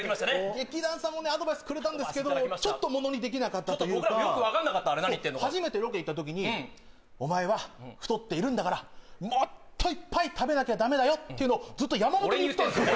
劇団さんもねアドバイスくれたんですけどちょっとものにできなかったというか僕らもよく分かんなかったあれ何言ってんのか初めてロケ行った時にうんお前は太っているんだからもっといっぱい食べなきゃだめだよっていうのをずっと山本に言ってたんですよね